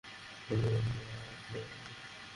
তাকে খুঁজে পেতে আমরা অনেক জটিলতার মোকাবিলা করেছি।